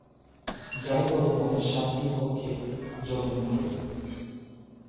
যাই বল, মনের শান্তির পক্ষে— যোগেন্দ্র।